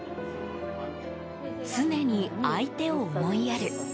常に相手を思いやる。